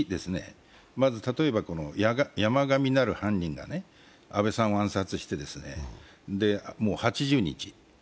１、まず例えば、山上なる犯人が安倍さんを暗殺してもう８０日。